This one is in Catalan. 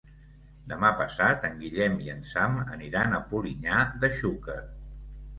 Demà passat en Guillem i en Sam aniran a Polinyà de Xúquer.